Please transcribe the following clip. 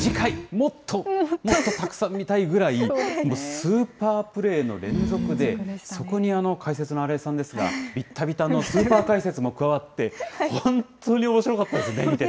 もっと、もっとたくさん見たいぐらい、スーパープレーの連続で、そこに解説のあらいさんですが、びったびたのスーパー解説も加わって、本当におもしろかったですね、見てて。